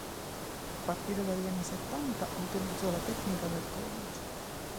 A partire dagli anni settanta utilizzò la tecnica del collage.